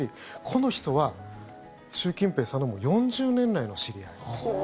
この人は習近平さんの４０年来の知り合い。